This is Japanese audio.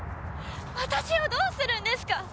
私をどうするんですか？